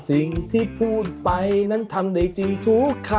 สิ่งที่พูดไปนั้นทำได้จริงทุกคำ